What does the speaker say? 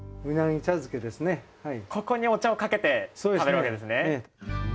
ここにお茶をかけて食べるわけですね。